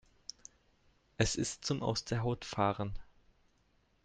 Es ist zum aus der Haut fahren!